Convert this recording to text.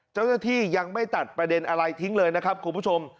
เจ้าหน้าที่ยังไม่ตัดประเด็นอะไรทิ้งเลยนะครับคุณผู้ชม